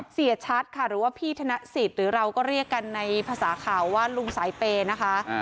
เสียชัดค่ะหรือว่าพี่ธนสิทธิ์หรือเราก็เรียกกันในภาษาข่าวว่าลุงสายเปย์นะคะ